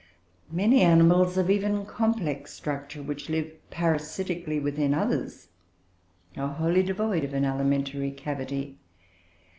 Many animals of even complex structure, which live parasitically within others, are wholly devoid of an alimentary cavity.